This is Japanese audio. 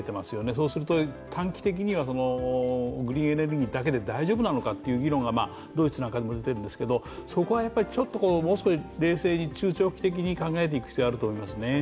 そうすると短期的にはグリーンエネルギーだけで大丈夫なのかという議論がドイツなどでも出ているんですけど、そこはもう少し冷静に中長期的に考えていく必要があると思いますね。